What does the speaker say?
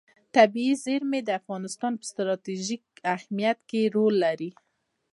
طبیعي زیرمې د افغانستان په ستراتیژیک اهمیت کې رول لري.